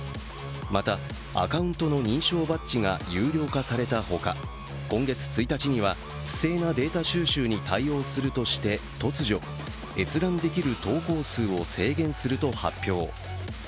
また、アカウントの認証バッジが有料化されたほか今月１日には不正なデータ収集に対応するとして突如、閲覧できる投稿数を制限すると発表。